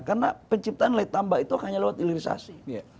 karena penciptaan lelah tambah itu hanya lewat hilirisasi